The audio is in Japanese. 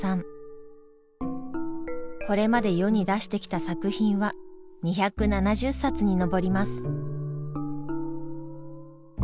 これまで世に出してきた作品は２７０冊に上ります。